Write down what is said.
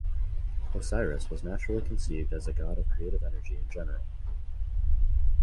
Osiris was naturally conceived as a god of creative energy in general.